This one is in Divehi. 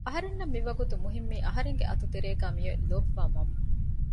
އަހަރެންނަށް މިވަގުތު މުހިއްމީ އަހަރެންގެ އަތުތެރޭގައި މިއޮތް ލޯބިވާ މަންމަ